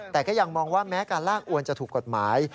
แต่ก็ยังมองว่าแม้การลากอวนจะถูกกฎหมาย